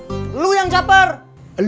itu lewat nomor satu